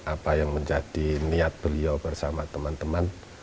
apa yang menjadi niat beliau bersama teman teman